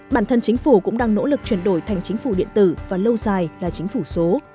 bản thân chính phủ cũng đang nỗ lực chuyển đổi thành chính phủ điện tử và lâu dài là chính phủ số